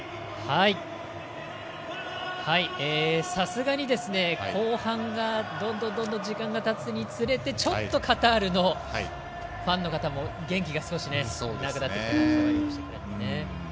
さすがに後半どんどん時間がたつにつれてちょっとカタールのファンの方も元気が少しなくなってきたかなと思いましたね。